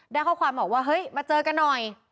ได้ข้อความบอกว่าเฮ้ยมาเจอกันหน่อย